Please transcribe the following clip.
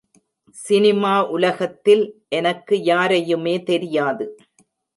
Cinema உலகத்தில் எனக்கு யாரையுமே தெரியாது.